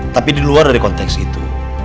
tapi di luar dari konteks itu